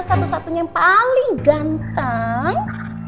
satu satunya yang paling ganteng